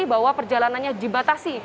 bahwa perjalanannya dibatasi